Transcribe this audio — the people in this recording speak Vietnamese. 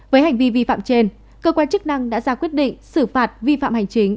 với hành vi vi phạm trên cơ quan chức năng đã ra quyết định xử phạt vi phạm hành chính